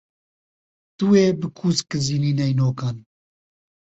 Tu yê bikûzkizînî neynokan.